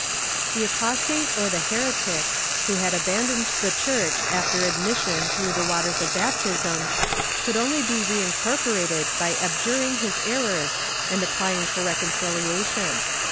The apostate or the heretic, who had abandoned the Church after admission through the waters of baptism, could only be reincorporated by abjuring his errors and applying for reconcil iation.